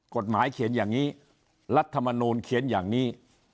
กฎหมายเขียนอย่างนี้รัฐมนูลเขียนอย่างนี้